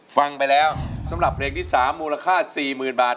ฟังไปแล้วสำหรับเลขที่๓มูลค่าสี่หมื่นบาท